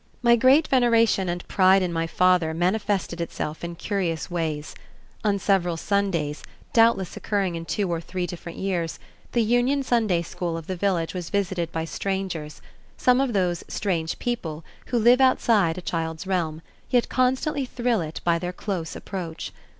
My great veneration and pride in my father manifested itself in curious ways. On several Sundays, doubtless occurring in two or three different years, the Union Sunday School of the village was visited by strangers, some of those "strange people" who live outside a child's realm, yet constantly thrill it by their close approach.